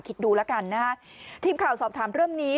คิดดูแล้วกันนะฮะทีมข่าวสอบถามเรื่องนี้